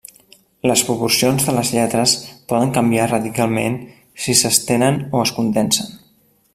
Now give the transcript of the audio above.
Les proporcions de les lletres poden canviar radicalment si s'estenen o es condensen.